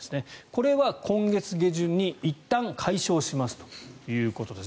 これは今月下旬にいったん解消しますということです。